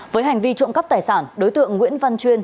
với hành vi trộm cắp tài sản đối tượng nguyễn văn chuyên